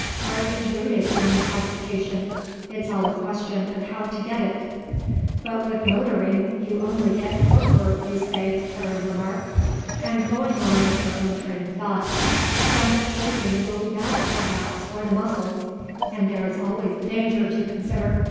Art is rooted in intoxication. It's all a question of how to get it." "But with motoring you only get torpor, you say," Karen remarked. And, going on with her own train of thoughts, "So much shaking will be bad, perhaps, for the muscles. And there is always the danger to consider.